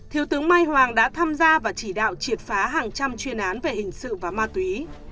thiếu tướng mai hoàng đã tham gia và chỉ đạo triệt phá hàng trăm chuyên án về hình sự và ma túy